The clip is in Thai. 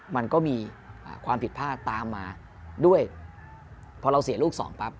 มันก็มีความผิดพลาดตามมาด้วยพอเราเสียลูกสองปั๊บ